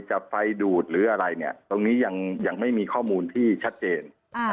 จะไฟดูดหรืออะไรเนี่ยตรงนี้ยังไม่มีข้อมูลที่ชัดเจน